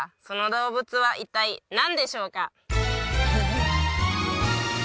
その動物は一体何でしょうか？